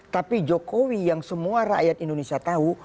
tapi jokowi yang semua rakyat indonesia tahu